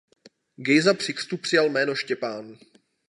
Gejza při křtu přijal jméno Štěpán.